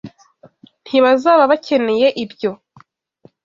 Ntibazaba bakeneye ibyo.